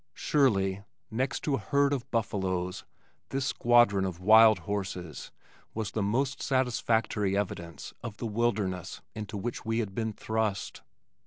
Surely, next to a herd of buffalo this squadron of wild horses was the most satisfactory evidence of the wilderness into which we had been thrust.